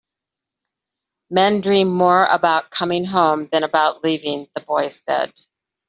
"Men dream more about coming home than about leaving," the boy said.